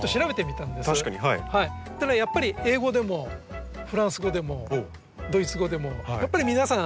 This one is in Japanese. ただやっぱり英語でもフランス語でもドイツ語でもやっぱり皆さん